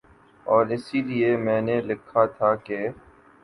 اور اسی لیے میں نے لکھا تھا کہ